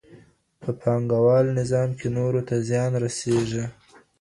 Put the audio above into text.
په پانګه وال نظام کي نورو ته زیان رسېږي.